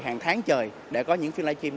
hàng tháng trời để có những phiên livestream